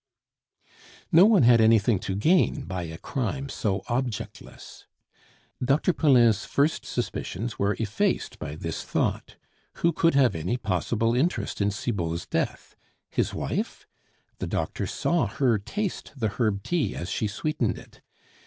No one had anything to gain by a crime so objectless. Dr. Poulain's first suspicions were effaced by this thought. Who could have any possible interest in Cibot's death? His wife? the doctor saw her taste the herb tea as she sweetened it.